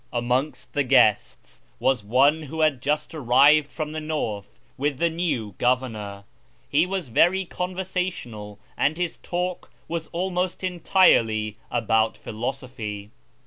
Amongst the guests was one who had just arrived from the north with the new governor. He was very conversa tional, and his talk was almost entirely about philosophy.